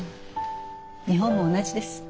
日本も同じです。